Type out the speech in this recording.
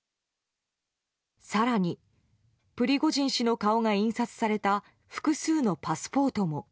更にプリゴジン氏の顔が印刷された複数のパスポートも。